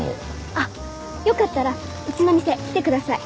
あっよかったらうちの店来てください